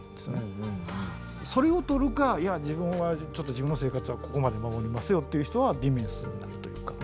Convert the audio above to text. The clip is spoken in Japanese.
それを取るかいや自分はちょっと自分の生活はここまで守りますよっていう人はディメンスになるというか。